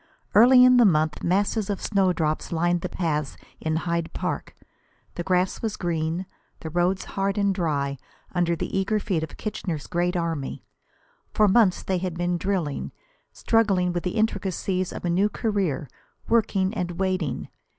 Early in the month masses of snowdrops lined the paths in Hyde Park. The grass was green, the roads hard and dry under the eager feet of Kitchener's great army. For months they had been drilling, struggling with the intricacies of a new career, working and waiting.